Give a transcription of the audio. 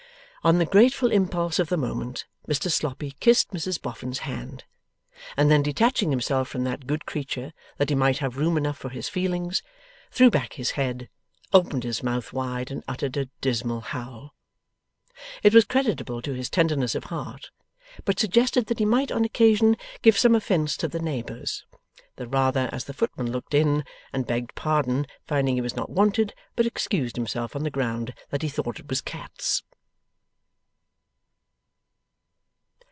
On the grateful impulse of the moment, Mr Sloppy kissed Mrs Boffin's hand, and then detaching himself from that good creature that he might have room enough for his feelings, threw back his head, opened his mouth wide, and uttered a dismal howl. It was creditable to his tenderness of heart, but suggested that he might on occasion give some offence to the neighbours: the rather, as the footman looked in, and begged pardon, finding he was not wanted, but excused himself; on the ground 'that he thought it was Cats.